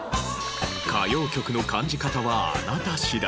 歌謡曲の感じ方はあなた次第。